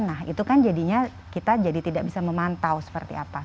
nah itu kan jadinya kita jadi tidak bisa memantau seperti apa